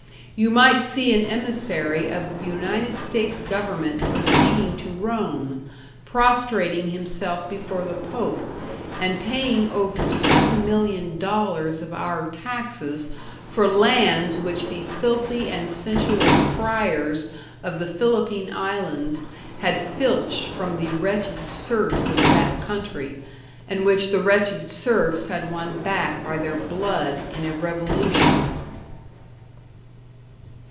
You might see an emissary of the United States government proceeding to Rome, prostrating himself before the Pope, and paying over seven million dollars of our taxes for lands which the filthy and sensual friars of the Philippine Islands had filched from the wretched serfs of that country and which the wretched serfs had won back by their blood in a revolution.